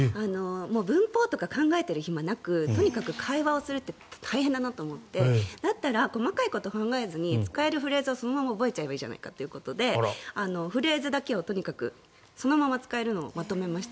文法とか考えている暇がなくとにかく会話するって大変だなと思ってだったら、細かいことを考えずに使えるフレーズをそのまま覚えればいいじゃないかということでフレーズだけをそのまま使えるのをまとめました。